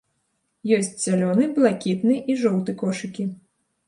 Ёсць зялёны, блакітны і жоўты кошыкі.